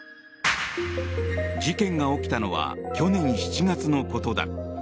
事件が起きたのは去年７月のことだ。